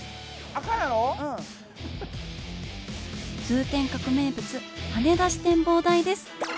通天閣名物跳ね出し展望台です。